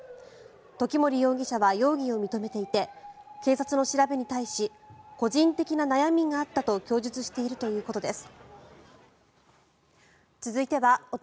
時森容疑者は容疑を認めていて警察の調べに対し個人的な悩みがあったと供述しているということです。